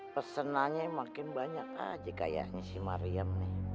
pesenanya makin banyak aja kayaknya si marian